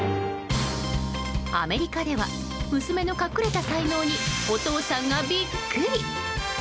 アメリカでは娘の隠れた才能にお父さんがビックリ！